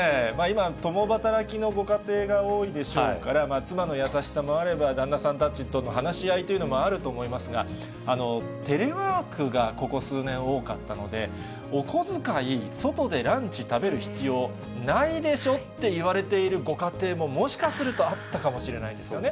今、共働きのご家庭が多いでしょうから、妻の優しさもあれば、旦那さんたちとの話し合いというのもあると思いますが、テレワークがここ数年、多かったので、お小遣い、外でランチ食べる必要ないでしょって言われているご家庭ももしかするとあったかもしれないですよね。